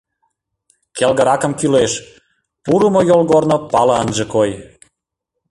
Келгыракым кӱлеш, пурымо йолгорно пале ынже кой.